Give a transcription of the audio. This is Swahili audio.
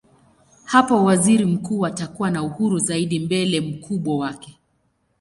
Hapo waziri mkuu atakuwa na uhuru zaidi mbele mkubwa wake.